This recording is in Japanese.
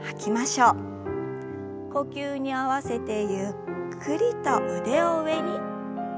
呼吸に合わせてゆっくりと腕を上に。